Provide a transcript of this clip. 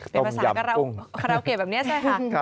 เป็นภาษาคาราโอเกะแบบนี้ใช่ค่ะ